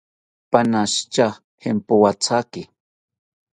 Panashitya jampoathaki